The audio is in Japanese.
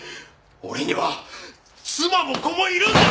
俺には妻も子もいるんだ！